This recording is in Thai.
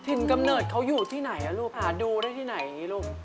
กำเนิดเขาอยู่ที่ไหนลูกหาดูได้ที่ไหนลูก